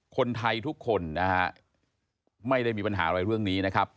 คนไทยทุกคนนะฮะไม่ได้มีปัญหาอะไรเรื่องนี้นะครับ